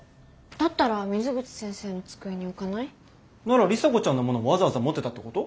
だったら水口先生の机に置かない？なら里紗子ちゃんのものをわざわざ持ってたってこと？